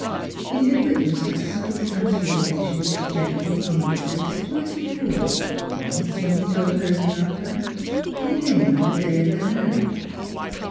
He had witnessed that subtle transfiguration of its gentle commonplace twice before ; once when he told her he loved her, and again on the day of their marriage.